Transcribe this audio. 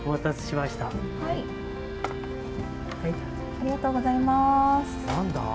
ありがとうございます。